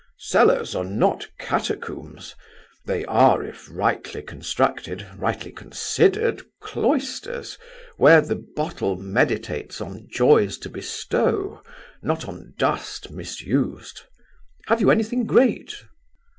"Cellars are not catacombs. They are, if rightly constructed, rightly considered, cloisters, where the bottle meditates on joys to bestow, not on dust misused! Have you anything great?"